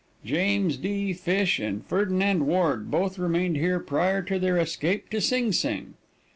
James D. Fish and Ferdinand Ward both remained here prior to their escape to Sing Sing.